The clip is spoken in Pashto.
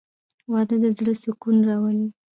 • واده د زړه سکون راولي.